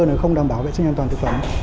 nữa không đảm bảo vệ sinh an toàn thực phẩm